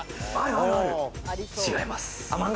違います。